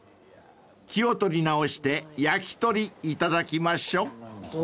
［気を取り直して焼き鳥頂きましょう］